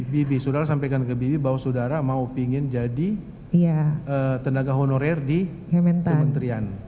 bibi saudara sampaikan ke bibi bahwa saudara mau ingin jadi tenaga honorer di kementerian